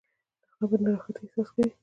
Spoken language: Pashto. هغه به د ناراحتۍ احساس کوي.